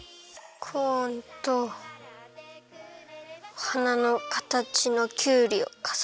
コーンとはなのかたちのきゅうりをかざって。